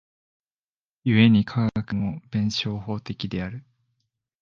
故に科学も弁証法的である。